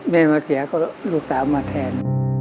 แม่มาเสียก็ลูกสาวมาแทน